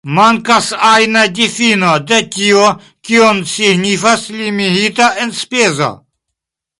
Mankas ajna difino de tio, kion signifas limigita enspezo.